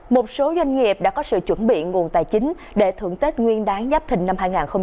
một số doanh nghiệp đã có sự chuẩn bị nguồn tài chính để thưởng tết nguyên đáng giáp thình năm hai nghìn hai mươi bốn